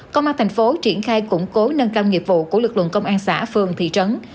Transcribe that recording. công an thành phố triển khai củng cố nâng cao nghiệp vụ của lực lượng công an xã phường thị trấn